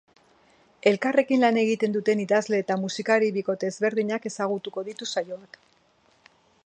Elkarrekin lan egin duten idazle eta musikari bikote ezberdinak ezagutuko ditu saioak.